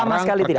sama sekali tidak